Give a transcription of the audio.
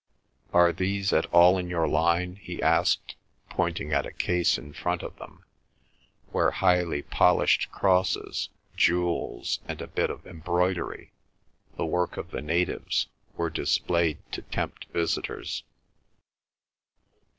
"Are these at all in your line?" he asked, pointing at a case in front of them, where highly polished crosses, jewels, and bits of embroidery, the work of the natives, were displayed to tempt visitors.